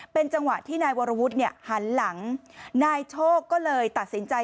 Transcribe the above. เป็นจังหวะที่นายวรวุฒิเนี่ยหันหลังนายโชคก็เลยตัดสินใจ